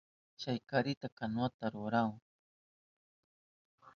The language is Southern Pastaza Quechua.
Chay karika kanuwata rurahun.